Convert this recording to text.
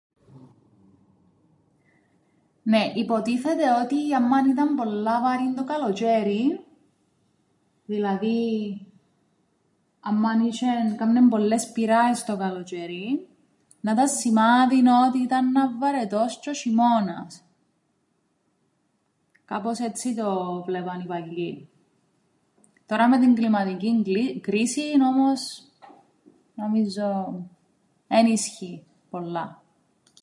Νναι, υποτίθεται ότι άμμαν ήταν πολλά βαρύν το καλοτζ̆αίριν, δηλαδή άμμαν είσ̆εν, έκαμνεν πολλές πυράες το καλοτζ̆αίριν, εννά 'ταν σημάδιν ότι εννά 'ν' βαρετός τζ̆αι ο σ̆ειμώνας, κάπως έτσι το 'βλέπαν οι παλιοί, τωρά με την κλιματικήν κλι- κρίσην, όμως, νομίζω εν ισχύει πολλά.